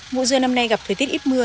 vụ dưa năm nay gặp thời tiết ít mưa